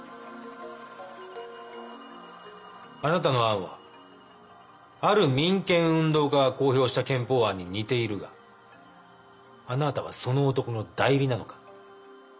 あなたの案はある民権運動家が公表した憲法案に似ているがあなたはその男の代理なのか。